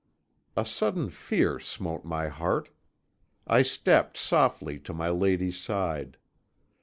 "A sudden fear smote my heart. I stepped softly to my lady's side.